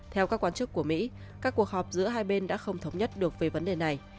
theo các quan chức của mỹ các cuộc họp giữa hai bên đã không thống nhất được về vấn đề này